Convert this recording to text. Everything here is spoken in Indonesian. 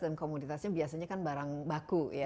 dan komoditasnya biasanya kan barang baku ya